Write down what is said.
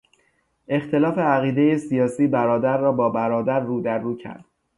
اختلاف عقیدهی سیاسی برادر را با برادر رو در رو کرد.